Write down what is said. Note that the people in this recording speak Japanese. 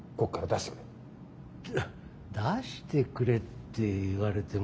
出してくれって言われてもさ。